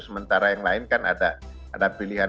sementara yang lain kan ada pilihan